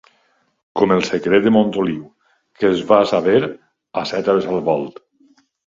Com el secret de Montoliu, que es va saber a set hores al volt.